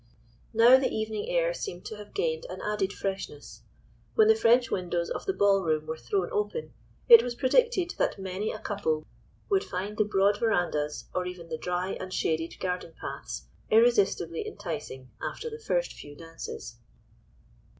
Now the evening air seemed to have gained an added freshness. When the French windows of the ballroom were thrown open it was predicted that many a couple would find the broad verandahs, or even the dry and shaded garden paths, irresistibly enticing after the first few dances.